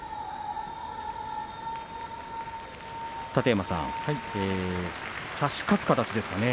楯山さん、差し勝つ形ですかね。